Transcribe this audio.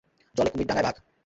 জলে কুমির ডাঙ্গায় বাঘ।